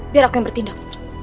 biar aku yang bertindak